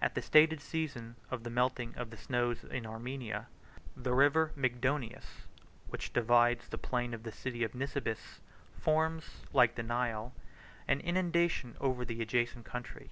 At the stated season of the melting of the snows in Armenia, the River Mygdonius, which divides the plain and the city of Nisibis, forms, like the Nile, 66 an inundation over the adjacent country.